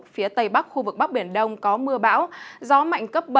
phía tây bắc khu vực bắc biển đông có mưa bão gió mạnh cấp bảy